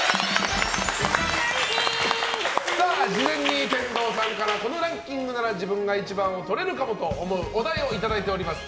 事前に天童さんからこのランキングなら自分が１番をとれるかもと思うお題をいただいております。